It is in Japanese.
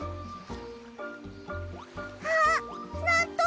あっなんと！